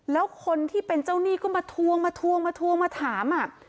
แล้วคนที่เป็นเจ้าหนี้ก็มาทวงมาถาม